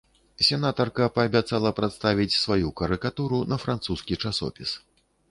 Сенатарка паабяцала прадставіць сваю карыкатуру на французскі часопіс.